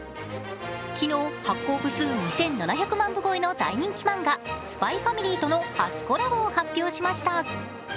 昨日、発行部数２７００万部超えの大人気漫画「ＳＰＹ×ＦＡＭＩＬＹ」との初コラボを発表しました。